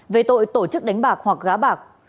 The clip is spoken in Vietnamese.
về tội tổ chức đánh bạc hoặc gá bạc